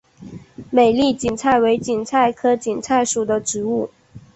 美丽堇菜为堇菜科堇菜属的植物。